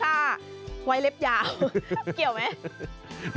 ถ้าไว้เล็บยาวเกี่ยวไหม